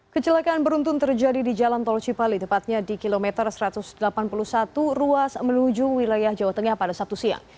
kecelakaan beruntun terjadi di jalan tol cipali tepatnya di kilometer satu ratus delapan puluh satu ruas menuju wilayah jawa tengah pada sabtu siang